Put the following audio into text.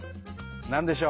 何でしょう？